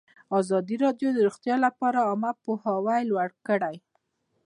ازادي راډیو د روغتیا لپاره عامه پوهاوي لوړ کړی.